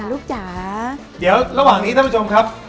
จ๋าเดี๋ยวระหว่างนี้ท่านผู้ชมครับ